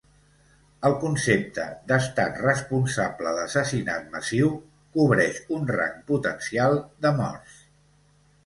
El concepte d'Estat responsable d'assassinat massiu cobreix un rang potencial de morts.